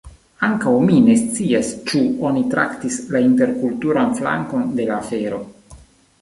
Ankaŭ mi ne scias ĉu oni traktis la interkulturan flankon de la afero.